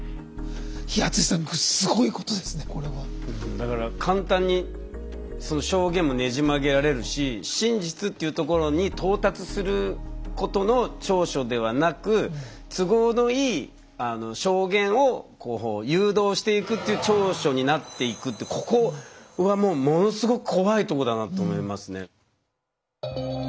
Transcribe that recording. だから簡単にその証言もねじ曲げられるし真実っていうところに到達することの調書ではなく都合のいい証言を誘導していくっていう調書になっていくってここはもうものすごく怖いとこだなと思いますね。